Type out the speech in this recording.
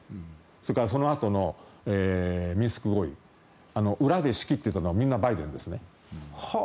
それからそのあとのミンスク合意裏で仕切っていたのはみんなバイデンですね。